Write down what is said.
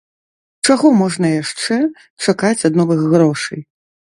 Чаго можна яшчэ чакаць ад новых грошай?